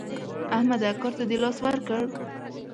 احمده کار ته دې لاس ورکړ؟